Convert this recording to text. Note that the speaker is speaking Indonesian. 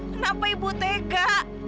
kenapa ibu tega